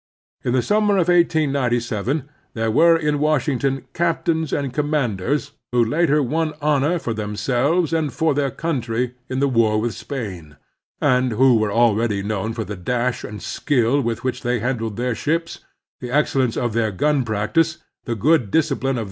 In the siunmer of 1897 there were in Washington captains and commanders who later won honor for themselves and their country in the war with Spain, and who were already known for the dash and skill with which they handled their ships, the excellence of their gun practice, the good discipline of their t:ie ■.